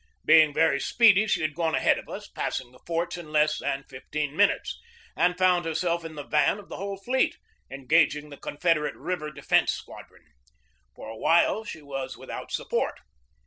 Being very speedy she had gone ahead of us, passing the forts in less than fifteen minutes, and found herself in the van of the whole fleet, engaging the Confederate River Defence Squadron. For a while she was without support.